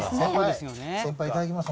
先輩、いただきます。